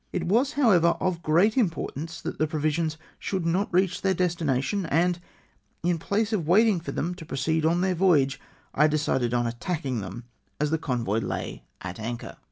It was, however, of great importance that the provisions should not reach thek destination, and, in place of waiting for them to proceed on their voyage, I decided on attacking them as the convoy lay at anchor.